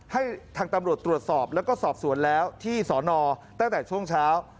ให้ทางตำรวจตรวจสอบแล้วก็สอบสวนแล้วที่สอนอตั้งแต่ช่วงเช้า